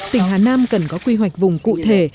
tỉnh hà nam cần có quy hoạch vùng cụ thể